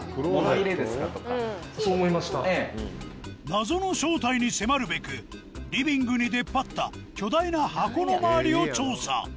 謎の正体に迫るべくリビングに出っ張った巨大な箱の周りを調査。